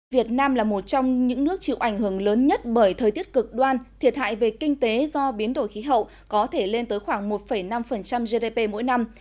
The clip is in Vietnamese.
việt nam là một trong những nước chịu ảnh hưởng lớn nhất bởi thời tiết cực đoan thiệt hại về kinh tế do biến đổi khí hậu có thể lên tới khoảng một năm gdp mỗi năm